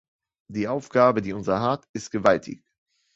Die Aufgabe, die unser harrt, ist gewaltig.